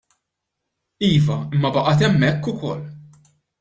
Iva, imma baqgħet hemmhekk ukoll.